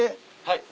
はい。